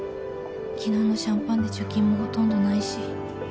昨日のシャンパンで貯金もほとんどないし。